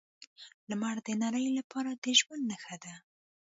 لمر د نړۍ لپاره د ژوند نښه ده.